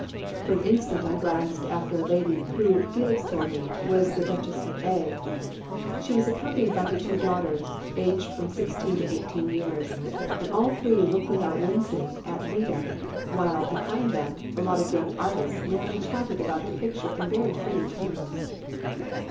For an instant I glanced after a lady, who, Felix told me, was the Duchess of A ; she was accompanied by her two daughters, aged from sixteen to eighteen years; and all three looked without wincing at a Leda, while, behind them, a lot of young artists merrily chatted about the picture in very free terms.